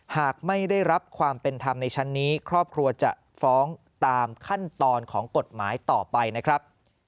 หากไม่ได้รับความเป็นธรรมในชั้นนี้ครอบครัวจะฟ้องตามขั้นตอนของกฎหมายต่อไปนะครับ